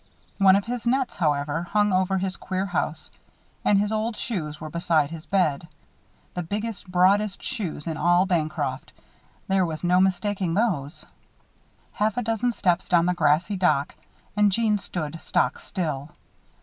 One of his nets, however, hung over his queer house and his old shoes were beside his bed the biggest, broadest shoes in all Bancroft; there was no mistaking those. Half a dozen steps down the grassy dock and Jeanne stood stock still.